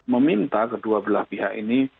meminta kedua belah pihak ini